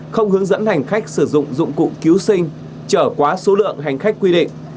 không hướng dẫn hành khách sử dụng dụng cụ cứu sinh trở quá số lượng hành khách quy định